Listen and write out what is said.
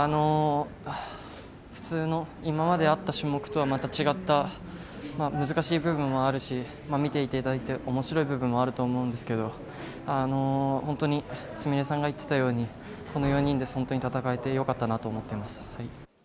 普通の今まであった種目とはまた違った難しい部分もあるし見ていていただいておもしろい部分もあると思うんですけど本当に純礼さんが言ってたようにこの４人で戦えて本当によかったなと思ってます。